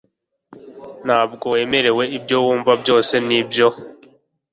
Ntabwo wemera ibyo wumva byose, nibyo?